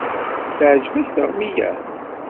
Teɛǧeb-ak tiɣmi-ya?